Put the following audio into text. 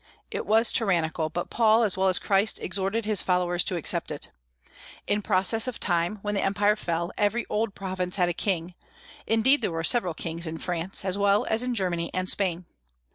It was tyrannical; but Paul as well as Christ exhorted his followers to accept it. In process of time, when the Empire fell, every old province had a king, indeed there were several kings in France, as well as in Germany and Spain.